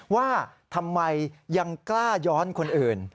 ว่าทำไมยังกล้าย้อนคนอื่น